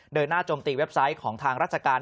หน้าจมตีเว็บไซต์ของทางราชการ